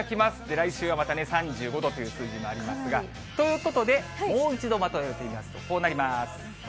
来週はまた３５度という数字もありますが、ということで、もう一度まとめてみますとこうなります。